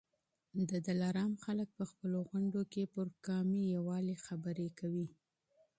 د دلارام خلک په خپلو غونډو کي پر قومي اتفاق خبرې کوي.